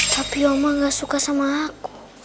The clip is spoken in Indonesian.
tapi oma gak suka sama aku